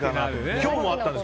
今日もあったんですよ。